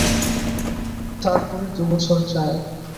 তার পরে দু বছর যায়।